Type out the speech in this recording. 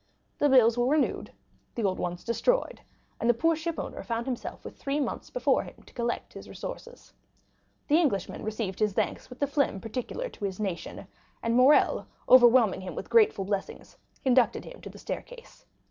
The bills were renewed, the old ones destroyed, and the poor ship owner found himself with three months before him to collect his resources. The Englishman received his thanks with the phlegm peculiar to his nation; and Morrel, overwhelming him with grateful blessings, conducted him to the staircase.